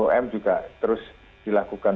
bum juga terus dilakukan